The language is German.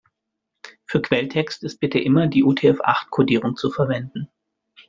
Für Quelltext ist bitte immer die UTF-acht-Kodierung zu verwenden.